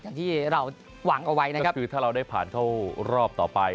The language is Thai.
อย่างที่เราหวังเอาไว้นะครับคือถ้าเราได้ผ่านเข้ารอบต่อไป